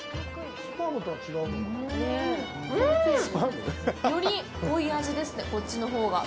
うん！より濃い味ですね、こっちのほうが。